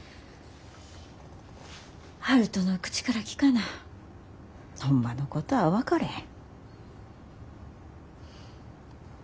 悠人の口から聞かなホンマのことは分かれへん。